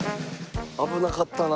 危なかったな。